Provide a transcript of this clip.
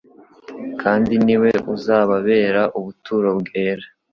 Kandi ni we uzababera ubuturo bwera,